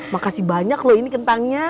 makasih banyak loh ini kentangnya